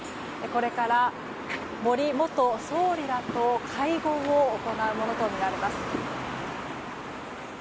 これから、森元総理らと会合を行うものとみられます。